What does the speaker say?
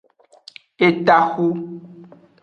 Etaxu.